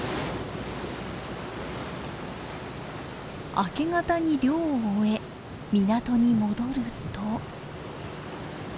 明け方に漁を終え港に戻ると。